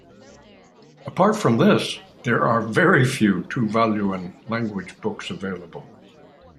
Apart from this, there are very few Tuvaluan language books available.